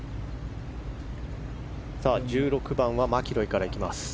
１６番はマキロイからいきます。